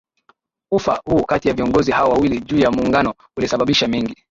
Ufa huu kati ya viongozi hao wawili juu ya Muungano ulisababisha mengi